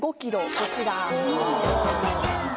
こちら。